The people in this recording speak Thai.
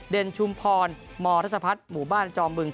เดนชุมพรมธรรพัฒนธ์หมู่บ้านจอมบึง